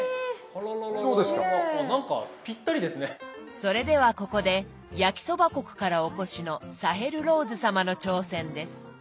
あ何かぴったりですね。それではここで焼きそば国からお越しのサヘル・ローズ様の挑戦です。